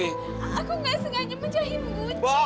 aku nggak sengaja menjahit guci